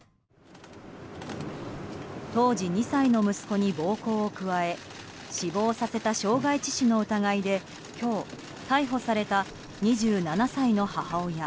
当時２歳の息子に暴行を加え死亡させた傷害致死の疑いで今日、逮捕された２７歳の母親